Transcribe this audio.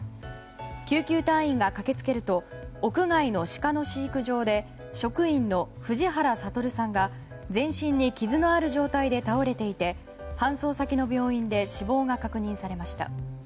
救急隊員が駆け付けると屋外のシカの飼育場で職員の藤原悟さんが全身に傷がある状態で倒れていて搬送先の病院で死亡が確認されました。